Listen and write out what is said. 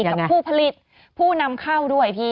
กับผู้ผลิตผู้นำเข้าด้วยพี่